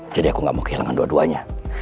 jadi aku gak mau kehilangan dua duanya